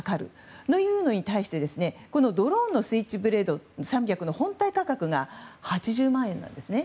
それに対してドローンのスイッチブレード３００の本体価格が８０万円なんですね。